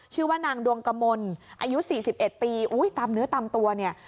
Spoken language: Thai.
ชื่อว่านางดวงกมลอายุ๔๑ปีอุ้ยตามเนื้อตามตัวเนี่ย